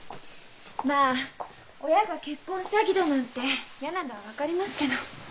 まあ親が結婚詐欺だなんて嫌なのは分かりますけど。